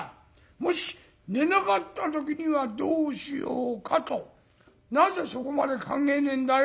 もし寝なかった時にはどうしようかとなぜそこまで考えねえんだよ」。